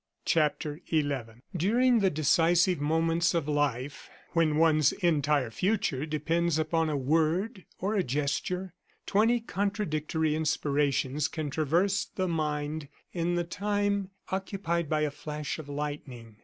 CHAPTER XI During the decisive moments of life, when one's entire future depends upon a word, or a gesture, twenty contradictory inspirations can traverse the mind in the time occupied by a flash of lightning.